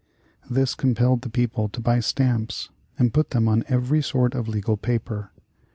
This compelled the people to buy stamps and put them on every sort of legal paper.